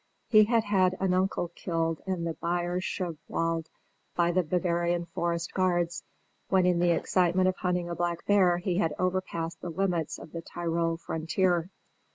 He had had an uncle killed in the Bayerischenwald by the Bavarian forest guards, when in the excitement of hunting a black bear he had overpassed the limits of the Tyrol frontier.